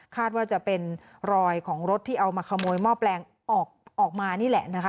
ว่าจะเป็นรอยของรถที่เอามาขโมยหม้อแปลงออกมานี่แหละนะคะ